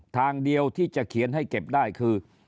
ทางเดียวที่จะเขียนให้เก็บได้คือ